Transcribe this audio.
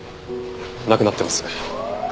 亡くなってます。